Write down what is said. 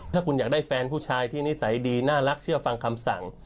ถ้าคุณอยากได้แฟนผู้ชายที่นิสัยดีน่ารักเชื่อฟังคำสั่ง